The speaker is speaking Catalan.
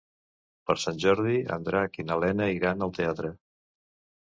Per Sant Jordi en Drac i na Lena iran al teatre.